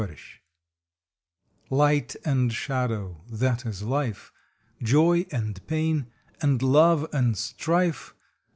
ALTERNATIONS T IGHT and shadow that is life! Joy and pain and love and strife.